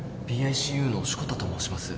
ＰＩＣＵ の志子田と申します